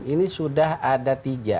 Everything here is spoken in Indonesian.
ini sudah ada tiga